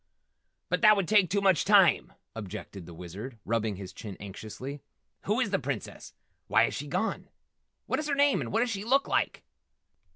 "But that would take too much time," objected the Wizard, rubbing his chin anxiously. "Who is this Princess? Why has she gone? What is her name and what does she look like?"